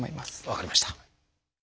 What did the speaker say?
分かりました。